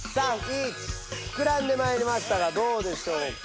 ふくらんでまいりましたがどうでしょうか。